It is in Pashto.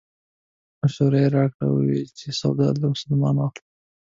مشوره یې راکړې وه چې سودا له مسلمانانو واخلو.